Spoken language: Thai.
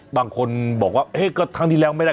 บางคนบอกว่าเอ๊ะก็ครั้งที่แล้วไม่ได้